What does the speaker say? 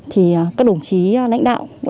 thì các đồng chí lãnh đạo